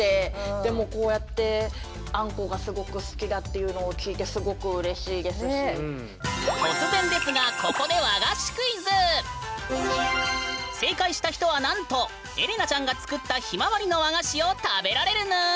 でもこうやって突然ですがここで正解した人はなんとエレナちゃんが作ったひまわりの和菓子を食べられるぬん！